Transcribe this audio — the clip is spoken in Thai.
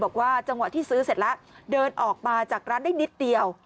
บอกว่าจังหวะที่ซื้อเสร็จแล้วเดินออกมาจากร้านได้นิดเดียว